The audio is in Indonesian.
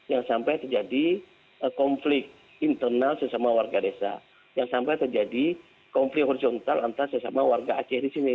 jangan sampai terjadi konflik internal sesama warga desa yang sampai terjadi konflik horizontal antara sesama warga aceh di sini